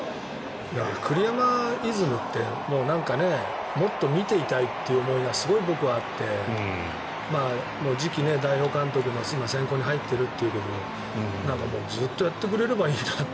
栗山イズムってもっと見ていたいという思いがすごい僕はあって次期代表監督の選考に入っているということでずっとやってくれればいいのにって。